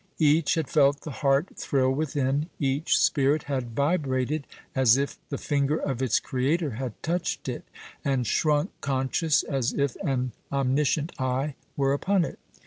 Each had felt the heart thrill within each spirit had vibrated as if the finger of its Creator had touched it, and shrunk conscious as if an omniscient eye were upon it.